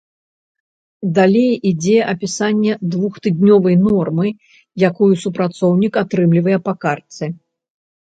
Далей ідзе апісанне двухтыднёвай нормы, якую супрацоўнік атрымлівае па картцы.